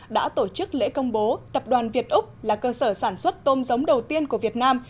đã tổ chức lễ công bố tập đoàn việt úc là cơ sở sản xuất tôm giống đầu tiên của việt nam